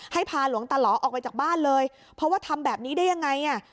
พาหลวงตาหล่อออกไปจากบ้านเลยเพราะว่าทำแบบนี้ได้ยังไงอ่ะ